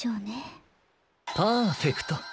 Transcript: パーフェクト。